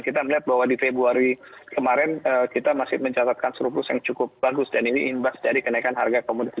kita melihat bahwa di februari kemarin kita masih mencatatkan surplus yang cukup bagus dan ini imbas dari kenaikan harga komoditas